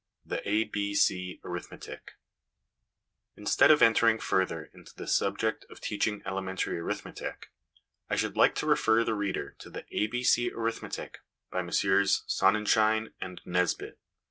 The ABO Arithmetic. Instead of entering further into the subject of the teaching of elementary arithmetic, I should like to refer the reader to the A B C Arithmetic by Messrs Sonnenschein & Nesbit.